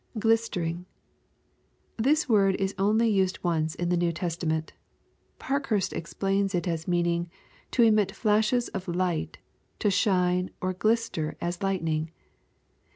[Gligtering.] This word is only used once in the New Testa ment Parkhurst explains it as meaning, "to emit flashes of light^ to shine or glister as lightning."